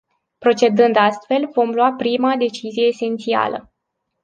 Procedând astfel, vom lua prima decizie esențială.